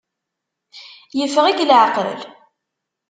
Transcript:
Yeffeɣ-ik leεqel?